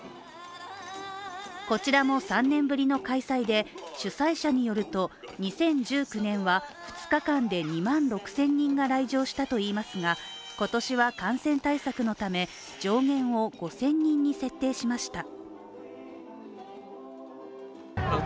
こちらも３年ぶりの開催で、主催者によると２０１９年は２日間で２万６０００人が来場したといいますが今年は感染対策のため上限を５０００人に設定しました。